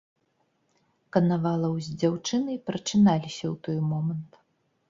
Канавалаў з дзяўчынай прачыналіся ў той момант.